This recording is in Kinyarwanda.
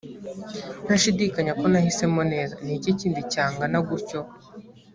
ntashidikanya ko nahisemo neza ni iki kindi cyangana gutyo‽